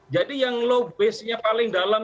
jadi yang low base nya paling dalam